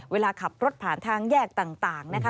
เวลาขับรถผ่านทางแยกต่างนะคะ